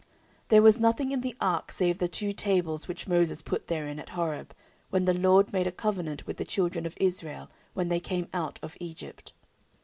14:005:010 There was nothing in the ark save the two tables which Moses put therein at Horeb, when the LORD made a covenant with the children of Israel, when they came out of Egypt.